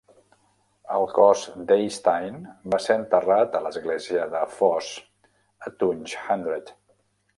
El cos d'Eystein va ser enterrat a l'església de "Foss" a Tunge Hundred.